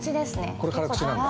◆これ、辛口なんだ。